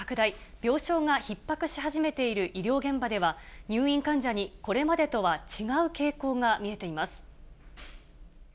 病床がひっ迫し始めている医療現場では、入院患者に、これまでとは違う傾向が見えています。